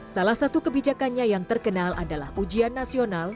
salah satu kebijakannya yang terkenal adalah ujian nasional